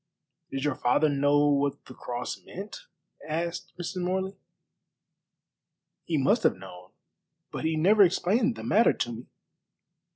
"Did your father know what the cross meant?" asked Mrs. Morley. "He must have known, but he never explained the matter to me."